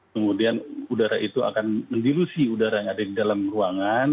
kemudian udara itu akan mendilusi udara yang ada di dalam ruangan